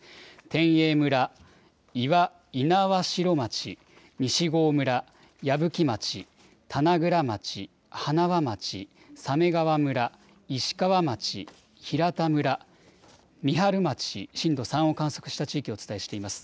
天栄村、猪苗代町、西郷村、矢吹町、棚倉町、塙町、鮫川村、石川町、平田村、三春町、震度３を観測した地域をお伝えしています。